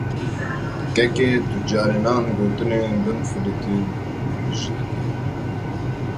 Kekê tu carinan gotinên binfilitî jî dikî.